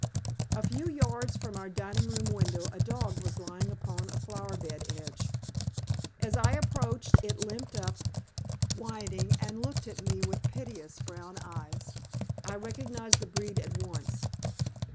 A few yards from our dining room window a dog was lying upon a flower bed edge. As I approached, it limped up, whining, and looked at me with piteous brown eyes. I recognized the breed at once.